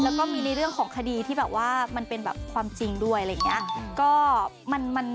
แล้วก็มีในเรื่องของคดีที่แบบว่ามันเป็นแบบความจริงด้วยอะไรอย่างนี้